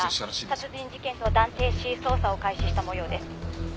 「殺人事件と断定し捜査を開始した模様です」